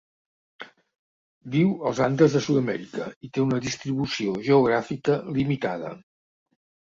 Viu als Andes de Sud-amèrica i té una distribució geogràfica limitada.